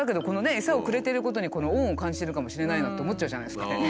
エサをくれてることに恩を感じているかもしれないなと思っちゃうじゃないですか。